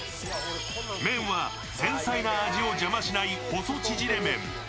麺は繊細な味を邪魔しない細縮れ麺。